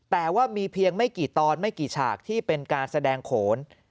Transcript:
แต่ว่ามีเพียงไม่กี่ตอนไม่กี่ฉากที่เป็นการแสดงโขน